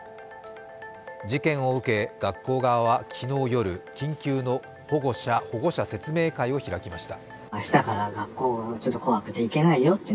事件を受け、学校側は昨日夜、緊急の保護者説明会を開きました。